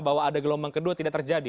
bahwa ada gelombang kedua tidak terjadi